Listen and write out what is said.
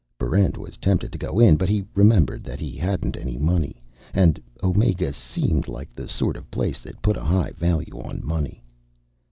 Barrent was tempted to go in. But he remembered that he hadn't any money; and Omega seemed like the sort of place that put a high value on money.